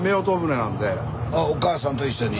あお母さんと一緒に。